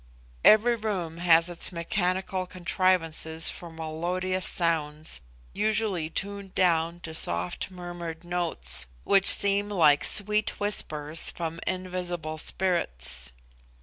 Every room has its mechanical contrivances for melodious sounds, usually tuned down to soft murmured notes, which seem like sweet whispers from invisible spirits.